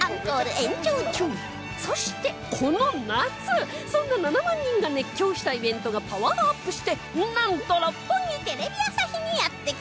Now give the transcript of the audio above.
そしてこの夏そんな７万人が熱狂したイベントがパワーアップしてなんと六本木テレビ朝日にやって来ます！